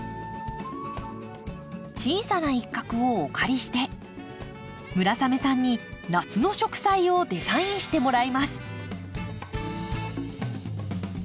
小さな一画をお借りして村雨さんに夏の植栽をデザインしてもらいます。